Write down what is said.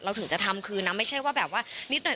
ถึงจะทำคือนะไม่ใช่ว่าแบบว่านิดหน่อย